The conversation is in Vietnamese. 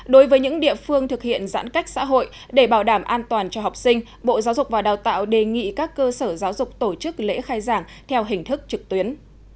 đối với những địa phương thực hiện giãn cách xã hội để bảo đảm an toàn cho học sinh bộ giáo dục và đào tạo đề nghị các cơ sở giáo dục tổ chức lễ khai giảng theo hình thức trực tuyến